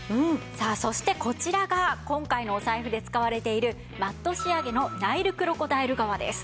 さあそしてこちらが今回のお財布で使われているマット仕上げのナイルクロコダイル革です。